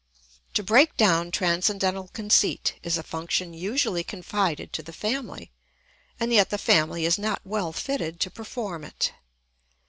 To break down transcendental conceit is a function usually confided to the family, and yet the family is not well fitted to perform it.